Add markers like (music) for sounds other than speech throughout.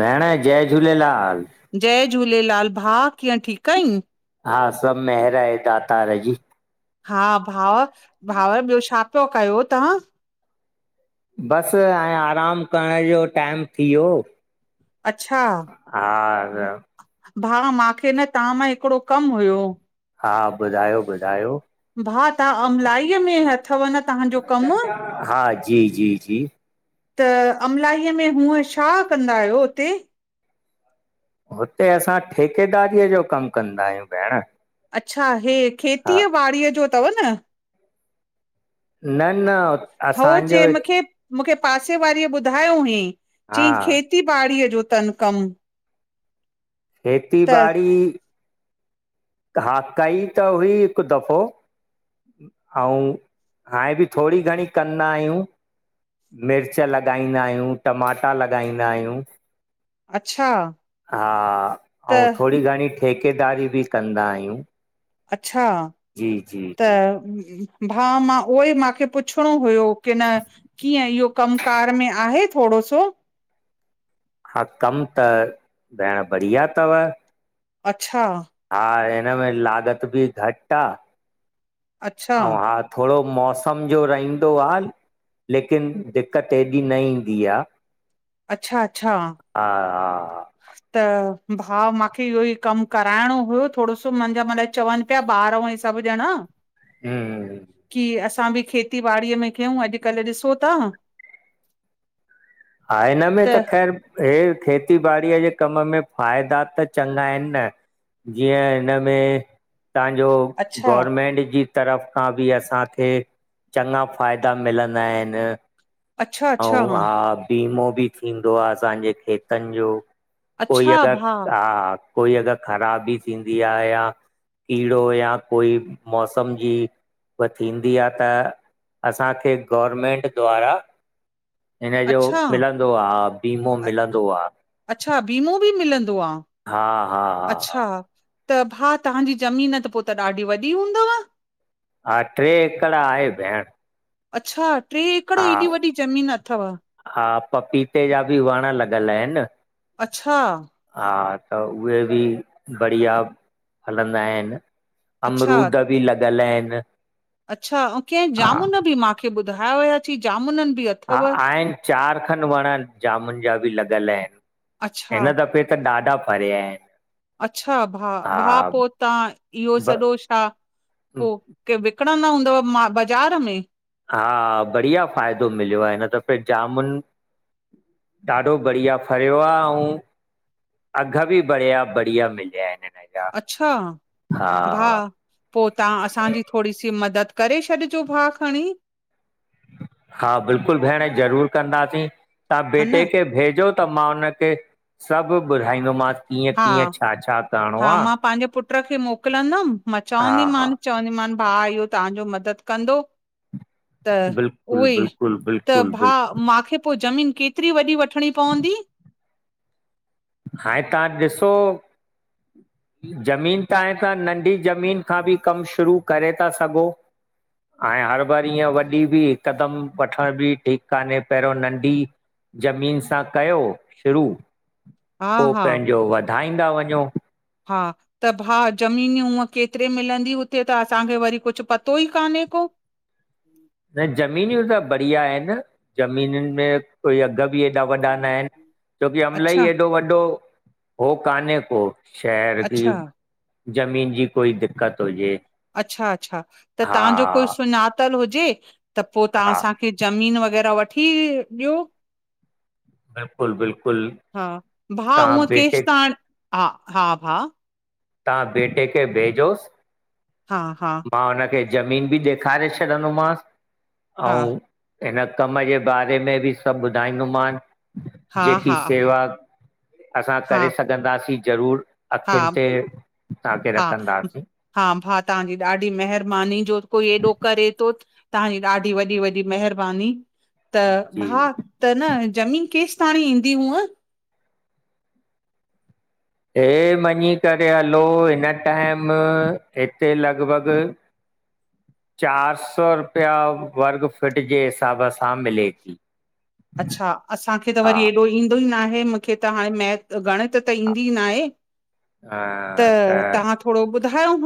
भेण जय झूलेलाल जय झूलेलाल भाउ कीअं ठीकु आईं? हा सभु महिर आहे दातार जी हा भाव भाव ॿियो छा पियो कयो तव्हां? बस ऐं आरामु करण जो टाइम थी वियो, अच्छा हा भाउ माखे न तव्हां मां हिकिड़ो कमु हुयो हा ॿुधायो ॿुधायो त अमलाई में ह हा जी जी जी त अमलाईअ में हूअं छा कंदा आहियो हुते? हुते असां ठेकेदारीअ जो कमु कंदा आहियूं भेण अच्छा हे हा खेतीअ ॿारी जो तव न? न न हो असांजो चय मूंखे मूंखे पासे वारीअ ॿुधायो हुईं हा चई खेती ॿारी जो तन कमु खेेती त बाड़ी हा कई त हुई हिकु दफ़ो अउ हाणे बि थोडी घणी कंदा आहियूं मिर्च लॻाईंदा आहियूं टमाटा लॻाईंदा आहियूं अच्छा हा त अऊ थोडी घणी ठेकेदारी बि कंदा आहियूं अच्छा जी जी त जी भा मां उहो ई मूंखे पुछणो हुयो की न कीअं इहो कम कार में आहे थोरो? अच्छा हा कमु त भेण बढ़िया तव अच्छा हा हिनमें लागत बि घटि आ अच्छा अऊं हा थोड़ो मौसम जो रहिंदो आ लेकिन दिक़त एॾी न ईंदी आ अच्छा अच्छा हा त भाउ माखे इहो ई कमु कराइणो हुयो थोॾो मुंहिंजा मान चवनि पिया ॿार ऐं सभु ॼणा हमम की असां बि खेती ॿारी में कयूं अॼुकल ॾिसो था हा हिन में त ख़ैर हे थिये खेती ॿारी जे कम में फ़ाइदा त चङा आहिनि न जीअं हिनमें तव्हांजो अच्छा गोरमेंट जी तरफ़ खां बि असांखे चङा फ़ाइदा मिलंदा आहिनि अच्छा अच्छा हा वीमो बि थींदो आहे असांजे खेतनि जो कोई अच्छा अगरि भाउ हा कोई अगरि ख़राबी थींदी आहे या कीड़ो या कोई मौसम जी उह थींदी आहे त असांखे गोरमेंट द्वारा हिनजो अच्छा मिलंदो आहे वीमो मिलंदो आहे अच्छा बीमो बि मिलंदो आ हा-हा हा-हा अच्छा त भा तव्हांजी ज़मीन त पोइ त ॾाढी वॾी हूंदव हा ट्रे एकड़ आहे भेण अच्छा टे एकड़ हा एॾी वॾी ज़मीन अथव हा पपीते जा बि वण लॻल आहिनि अच्छा हा त उहे बि बढ़िया हलंदा आहिनि अच्छा अमरूद बि लॻल आहिनि अच्छा ऐं कंहिं हा जामुन जे बारे में बि मुखे ॿुधायो हो। हा आहिनि चारि खनि वण जामुन जा बि लॻल आहिनि अच्छा हिन दफ़े त ॾाढा फरिया आहिनि। अच्छा हा भा-भा पो तव्हां इहो ब सॼो छा पोइ (inaudible) प न हूंदव बाज़ार में हा बढ़िया फ़ाइदो मिलियो आहे हिन दफ़े जामुन मां ॾाढो बढ़िया फरियो आहे ऐं अघ बि बढ़िया बढ़िया मिलया आहिनि। हिन जा अच्छा हा भाउ पोइ तव्हां असांजी थोरी सी मददु कयो। करे छॾिजो भाउ खणी हा बिल्कुल भेण ज़रूरु कंदासीं तव्हां हा पुटु न खे मोक्लियो त मां हुनखे सभु ॿुधाईंदोमांसि। कीअं हा कीअं छा-छा करिणो हा आहे मां पंहिंजे पुट खे मोकिलींदमि मां हा हा चवंदीमांसि त इहो भाउ तव्हांजी मददु कंदो। बिल्कुलु बिल्कुलु त बिल्कुलु भाउ बिल्कुलु उहा ज़मीन पोइ मुखे केतरी वॾी वठणी पवंदी? हाणे तव्हां ॾिसो ज़मीन त आहे तव्हां नंढी ज़मीन खां बि कमु शुरू करे था सघो। हाणे हरु बरु ईअं वॾी बि हिकदम वठण बि ठीकु न आहे पहरियों नंढी ज़मीन सां कयो शुरू हा पोइ हा पंहिंजो वधाईंदा वञो। हा भाउ ज़मीनूं त घणे में मिलंदी हुते इहो त असांखे कुझु पतो ई न आहे। कु न ज़मीनूं त बढ़िया आहिनि ज़मीननि में कोई अघ बि एॾा वॾा न आहिनि छाकाणु त अमलाई अच्छा ऐॾो वॾो न आहे। शहर अच्छा (inaudible) ज़मीन जी कोई दिक़त हुजे अच्छा अच्छा त हा तव्हांजो कोई सुञातलु हुजे त पोइ तव्हां हा असांखे ज़मीन वग़ैरह वठी ॾियो बिल्कुलु बिल्कुलु हा तव्हां भाउ केश बेटे त हाणे हा हा भाउ तवां बेटे खे भेजोसि हा हा मां हुनखे ज़मीन बि ॾेखारे छॾंदोमांसि हा ऐं हिन कम जे बारे में बि सभु ॿुधाईंदोमनि हा जेकी हा सेवा असां करे सघंदासीं ज़रूरु अखियुनि। हा-हा ते तव्हांखे रखंदासीं भा तव्हांजी ॾाढी महिरबानी जो कोई एॾो करे थो तव्हांजी ॾाढी वॾी वॾी महिरबानी। त जी भाउ ज़मीन कहिड़ी क़ीमत में ईंदी हूअं हे मञी करे हलो हिन टाइम हिते लॻभॻि (unintelligible) चारि सौ रुपिया वर्ग फुट जे हिसाब सां मिले थी अच्छा असांखे त हा वरी एॾो ईंदो ई न आहे। मूंखे त हाणे गणित त ईंदी न आहे त तव्हां थोरो ॿुधायो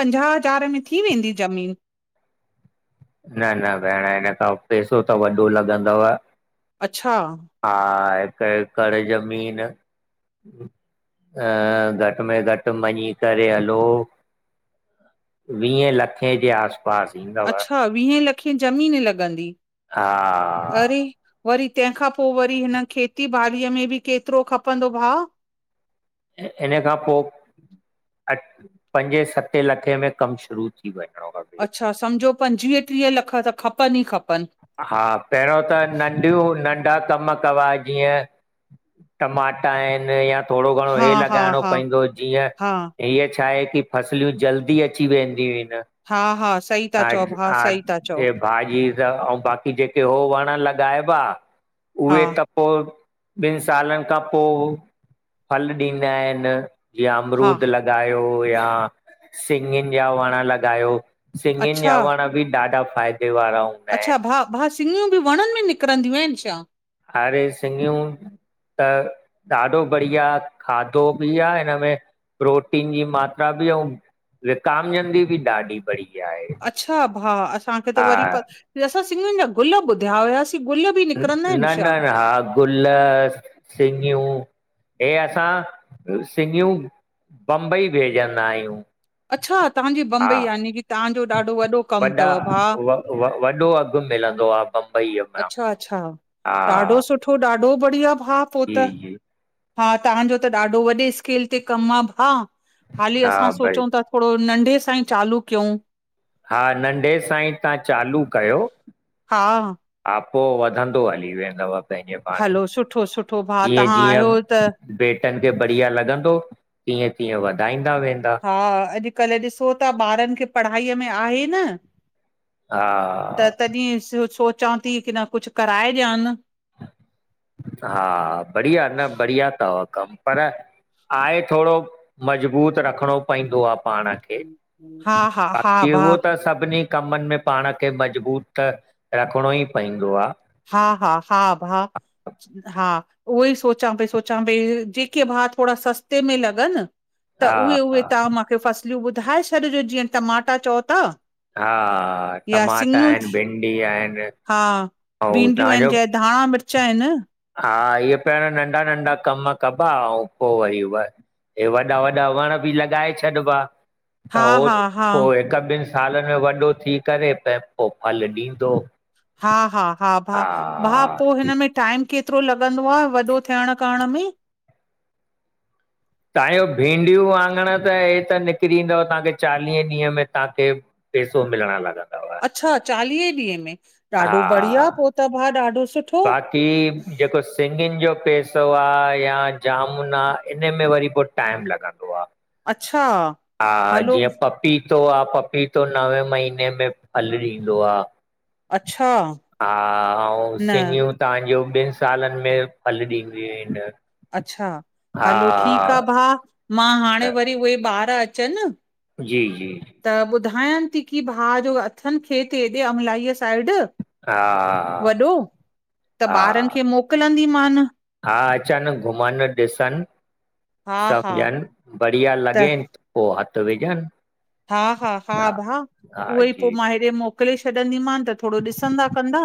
पंजाह हज़ार में थी वेंदी ज़मीन न न भेण हिन खां पैसो त वॾो लॻंदव अच्छा क कर ज़मीन घटि में घटि मञी करे हलो वीह लखे जे आस पास ईंदव अच्छा वीहें ज़मीन लॻंदी, हा अरे वरी तहिं खां पो व हिन खेती बारी में बि केतिरो खपंदो भाउ ऐं हिन खां पोइ अ पंजे सते लखे में कमु शुरू थी वञे अच्छा सम्झो पंजवीह टीह लख त खपनि ई खपनि हा पहिरियों त नंढियूं नंढियूं, हा ॿिया कम कबा जीअं टमाटा आहिनि या, थोड़ो घणो हा हे हा लॻाइणो हा पवंदो जीअं हा हीअ छा आहे की फसलियूं जल्दी अची वेंदियूं आहिनि। हा हा सही था चओ भाउ सही था चओ हा भाॼी त बाक़ी हो जेके हो वण लॻाइबा हा उहे त पोइ ॿिनि सालनि खां पोइ फल ॾींदा आहिनि। जीअं हा अमरूद लॻायो या सिंॻियुनि जा वणु लॻायो सिंॻियुनि अच्छा जा वण बि ॾाढा फ़ाइदे वारा हूंदा अच्छा आहिनि भाउ भाउ सिंॻियुनि बि वणनि में निकिरंदियूं आहिनि छा? अरे सिंॻियूं, त ॾाढो बढ़िया खाधो बि आ हिनमें, प्रोटीन जी मात्रा बि ऐं विटामिन जी भी ॾाढी बढ़ी। अच्छा भा असांखे त वरी असां ससिंॻियुनि जा गुल ॿुधिया हुयास न न हा गुल सिंॻियूं हे असां सिंॻियूं बम्बई भेजंदा आहियूं। अच्छा तव्हांजी हा बम्बई यानी की तव्हांजो ॾाढो वॾो कमु अथव भाउ वॾा व वॾो अघु मिलंदो आहे बंबई अच्छा अच्छा ॾाढो सुठो ॾाढो बढ़िया भा पो जी त जी हा तव्हांजो त ॾाढो वॾे स्केल ते कमु आहे भाउ हाली हा असां भई सोचूं था थोरो नंढे सां ई चालू कयूं। हा नंढे सांाईं तव्हां चालू कयो। हा। पो वधंदो हली वेंदव, पंहिंजे पाण हलो सुठो सुठो भाउ जीअं तव्हां आहियो जीअं त बेटनि खे बढ़िया लॻंदो तीअं तीअं वधाइनि हा अॼुकल्ह ॾिसो था ॿारनि खे पढ़ाईअ में आहे न, हा त तॾहिं सोचां थी की न कुझु कराए ॾियानि हा बढ़िया न बढ़िया तव पर आहे थोरो मज़बूत रखिणो पवंदो आ पाण खे हा हा हा बाक़ी उहो भाउ त सभिनी कमनि में पाण खे मज़बूत त रखणो ई पवंदो आ हा हा हा भा हा उहो ई सोचां पई सोचां पई जेके भाउ थोरा सस्ते में लॻनि त हा उहे उहे हा तव्हां मूंखे फसलियूं ॿुधाए छॾिजो जीअं टमाटा चओ था हा या टमाटा सिङियूं आहिनि थी भिंडी आहिनि ऐं हा भिडियूं आहिनि तव्हांजो चाहे धाणा मिर्च आहिनि हा, इहे पहिरियो नंढा नंढा कम कबा ऐं पोइ वरी उअ हे वॾा वॾा वण बि लॻाए छॾिबा त हा हो हा हा पोइ हिकु ॿिनि साल में वॾो थी करे त पोइ फल ॾींदो हा हा हा भा भा पोइ हिन में टाइम केतिरो लॻंदो आ वॾो थियण करण में तव्हांजो भींंडियूं वांङण त हे त निकिरी ईंदव तव्हांखे चालीह ॾींहं में तव्हांखे पैसो मिलण लॻा अच्छा चालीह ॾींहं में, हा ॾाढो बढ़िया पोइ त भाउ ॾाढो सुठो बाक़ी जेको सिॻियुनि पेड़ सो आ यां जामुन आ इन में वरी पोइ टाइम लॻंदो आ। अच्छा हा हलो जीअं पपी तो आ पपीतो नवे महीने में फल ॾींदो आहे। अच्छा हा अऊं न सिॻियूं तव्हांजूं ॿिनि सालनि में फल ॾिदियूं इन अच्छा, हलो ठीकु आहे भा मां हाणे वरी उहे ॿार अचनि। जी-जी ॿुधायांनि थी की भाउ जो अथनि खेत हेॾे अमलाईअ साइड। हा वॾो त हा ॿारनि खे मोकिलंदीमान हा-हा अचनि घुमनि ॾिसनि। हा हा सम्झनि बढ़िया त लॻेन पोइ हथ विझनि, हा हा हा भा हा उहोई जी पोइ मां हेॾे मोकिले छॾंदीमान त थोरो ॾिसंदा कंदा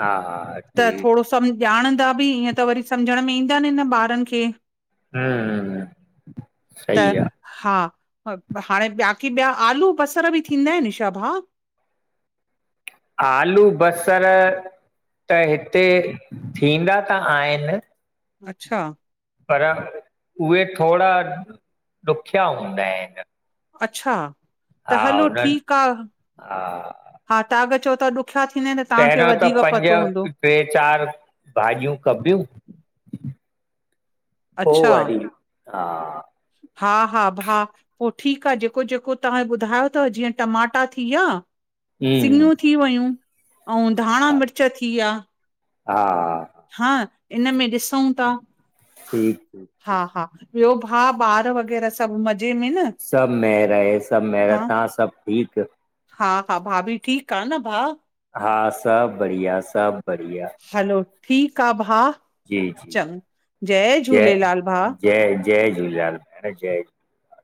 हा हा त ठीकु थोरो सम ॼाणंदा बि ईअं त वरी समझण में ईंदन ई न ॿारनि खे हं हं त सही आ हा हाणे ॿियाकि ॿिया आलू बसर बि थींदा आहिनि छा भा आलू बसर त हिते, थींदा त आहिनि। अच्छा पर उहे थोड़ा ॾुखिया हूंदा आहिनि। अच्छा, त हा हलो हुननि ठीकु आ हा हा तव्हांखे चओ था ॾुखिया थींदा आहिनि त पहिरियों त वधीक पंज, पतो हूंदो टे चारि भाॼियूं कबियूं। पो अच्छा वरी हा हा हा भा, पोइ ठीकु आ जेको जेको तव्हां ॿुधायो अथव जीअं टमाटा थी विया। हम्म सिॻियूं थी वयूं अऊं धाणा हा मिर्च थी विया। हा इनमें ॾिसऊं था। ठीक हा ठीक हा ॿियो भाउ, ॿार वग़ैरह सभु मज़ सभ मेहर आहे सभ मेहर, हा तव्हां सब ठीकु? हा हा, भाभी ठीक आ न भाउ? हा सभ बढ़िया सभ बढ़िया। हलो ठीकु आ भाउ। जी जी चङो जय झूलेलाल भाउ जय जय झूलेलाल भेण जय झूलेलाल।